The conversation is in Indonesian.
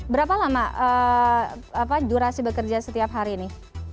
berapa lama durasi bekerja setiap hari ini